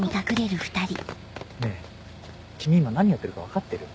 ねぇ君今何やってるか分かってる？